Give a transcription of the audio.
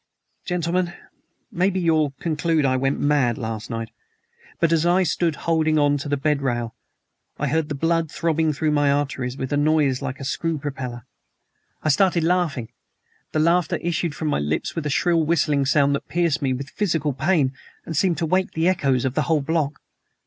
Gentlemen maybe you'll conclude I went mad last night, but as I stood holding on to the bedrail I heard the blood throbbing through my arteries with a noise like a screw propeller. I started laughing. The laughter issued from my lips with a shrill whistling sound that pierced me with physical pain and seemed to wake the echoes of the whole block.